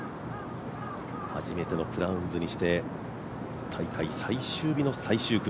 初めてのクラウンズにして大会最終日の最終組。